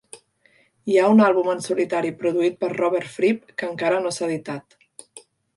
Hi ha un àlbum en solitari produït per Robert Fripp que en cara no s'ha editat.